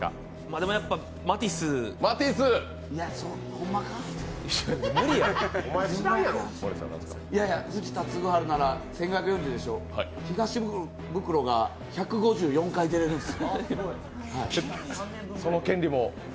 でもやっぱ、マティスいやいや、藤田嗣治なら１５４０でしょ、東ブクロが１５４回出れるんです。